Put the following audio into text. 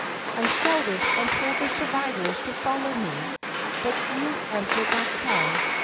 I shouted and told the sur\dvors to follow me, but few answered my call.